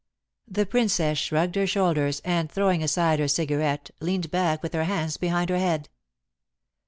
The Princess shrugged her shoulders, and throwing aside her cigarette, leaned back with her hands behind her head.